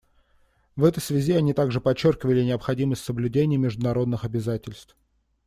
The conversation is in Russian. В этой связи они также подчеркивали необходимость соблюдения международных обязательств.